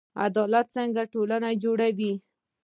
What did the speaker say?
عدالت څنګه ټولنه جوړوي؟